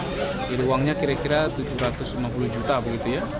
jadi uangnya kira kira tujuh ratus lima puluh juta begitu ya